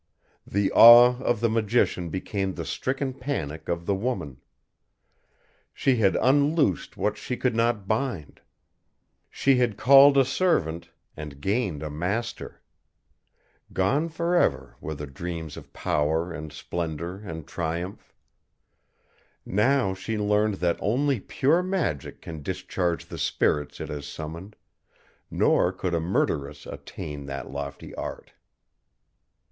The awe of the magician became the stricken panic of the woman. She had unloosed what she could not bind. She had called a servant, and gained a master. Gone forever were the dreams of power and splendor and triumph. Now she learned that only pure magic can discharge the spirits it has summoned, nor could a murderess attain that lofty art.